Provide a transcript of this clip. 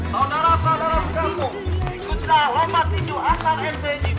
saudara saudara ikutlah lamba tinju akan mp ini